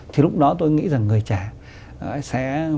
thì lúc đó tôi nghĩ rằng người trẻ